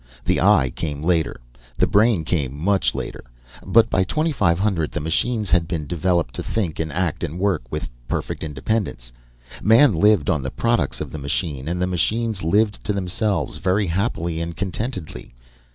The Eye came later, the Brain came much later. But by 2500, the machines had been developed to think, and act and work with perfect independence. Man lived on the products of the machine, and the machines lived to themselves very happily, and contentedly.